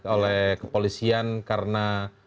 oleh kepolisian karena